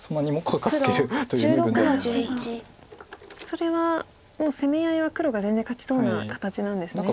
それはもう攻め合いは黒が全然勝ちそうな形なんですね。